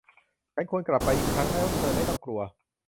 ฉันควรกลับไปอีกครั้ง แล้วเธอไม่ต้องกลัว